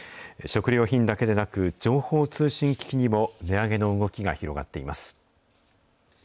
食料品だけでなく、情報通信機器にも値上げの動きが広がっています。